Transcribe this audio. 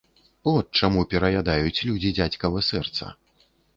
От чаму пераядаюць людзі дзядзькава сэрца.